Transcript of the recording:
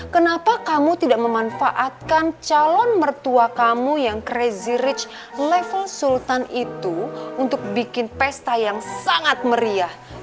kenapa kamu tidak memanfaatkan calon mertua kamu yang crazy rich level sultan itu untuk bikin pesta yang sangat meriah